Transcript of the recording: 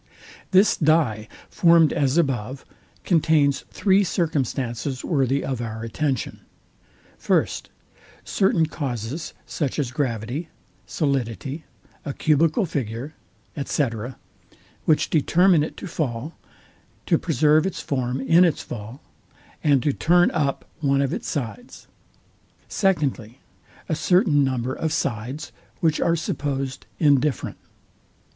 This dye, formed as above, contains three circumstances worthy of our attention. First, Certain causes, such as gravity, solidity, a cubical figure, &c. which determine it to fall, to preserve its form in its fall, and to turn up one of its sides. Secondly, A certain number of sides, which are supposed indifferent.